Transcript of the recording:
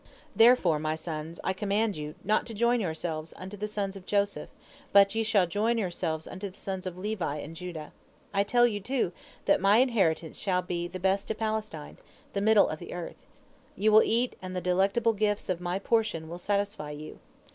"Therefore, my sons, I command you not to join yourselves unto the sons of Joseph, but ye shall join yourselves unto the sons of Levi and Judah. I tell you, too, that my inheritance shall be of the best of Palestine, the middle of the earth. You will eat, and the delectable gifts of my portion will satisfy you.